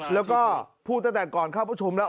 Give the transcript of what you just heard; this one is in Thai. แล้วก็พูดตั้งแต่ก่อนเข้าประชุมแล้ว